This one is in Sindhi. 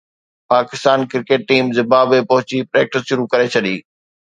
پاڪستان ڪرڪيٽ ٽيم زمبابوي پهچي پريڪٽس شروع ڪري ڇڏي